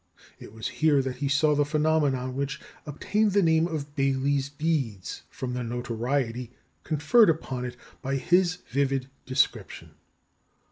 It was here that he saw the phenomenon which obtained the name of "Baily's Beads," from the notoriety conferred upon it by his vivid description.